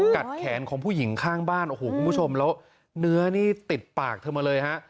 แขนของผู้หญิงข้างบ้านโอ้โหคุณผู้ชมแล้วเนื้อนี่ติดปากเธอมาเลยฮะ